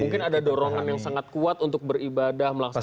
mungkin ada dorongan yang sangat kuat untuk beribadah melaksanakan